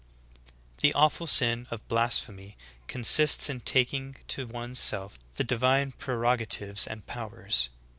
20. The awful sin of blasphemy consists in taking to one's self the divine prerogatives and powers.